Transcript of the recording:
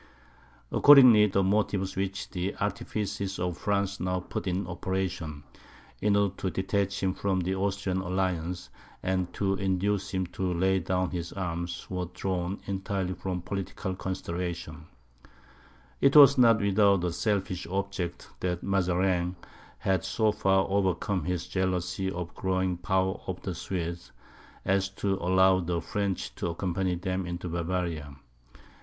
Accordingly, the motives which the artifices of France now put in operation, in order to detach him from the Austrian alliance, and to induce him to lay down his arms, were drawn entirely from political considerations. It was not without a selfish object that Mazarin had so far overcome his jealousy of the growing power of the Swedes, as to allow the French to accompany them into Bavaria.